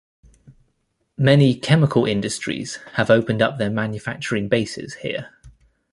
Many chemical industries have opened up their manufacturing bases here.